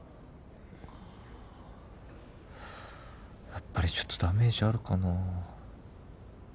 やっぱりちょっとダメージあるかなぁ。